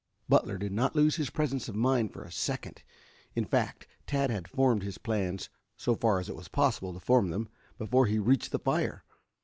Butler did not lose his presence of mind for a second. In fact Tad had formed his plans, so far as it was possible to form them, before he reached the fire.